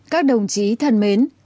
các đồng chí thân mến